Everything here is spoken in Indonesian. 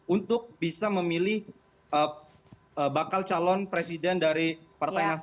untuk bisa memilih bakal calon presiden dari partai nasdem